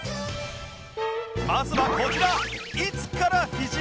まずはこちら